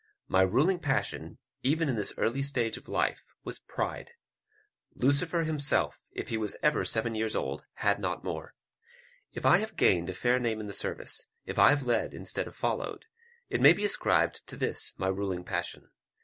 My ruling passion, even in this early stage of life, was pride. Lucifer himself, if he ever was seven years old, had not more. If I have gained a fair name in the service, if I have led instead of followed, it must be ascribed to this my ruling passion.